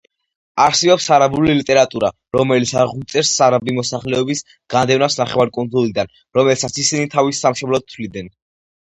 არსებობს არაბული ლიტერატურა რომელიც აგვიწერს არაბი მოსახლეობის განდევნას ნახევარკუნძულიდან, რომელსაც ისინი თავის სამშობლოდ თვლიდნენ.